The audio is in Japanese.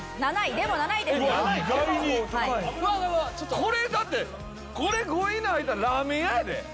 これだってこれ５位以内入ったらラーメン屋やで。